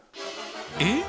えっ！